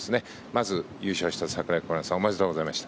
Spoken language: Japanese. まず優勝した櫻井心那さんおめでとうございます。